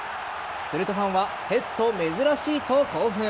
するとファンはヘッド、珍しいと興奮。